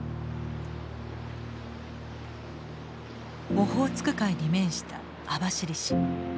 オホーツク海に面した網走市。